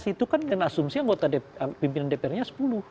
sebelas itu kan asumsi anggota pimpinan dpr nya sepuluh